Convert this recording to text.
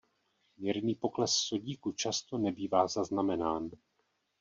Mírný pokles sodíku často nebývá zaznamenán.